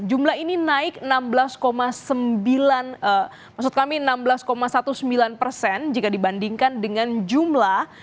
jumlah ini naik enam belas sembilan belas jika dibandingkan dengan jumlah